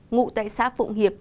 ngụ tại xã phụng hiệp